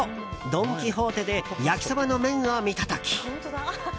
ドン・キホーテで焼きそばの麺を見た時。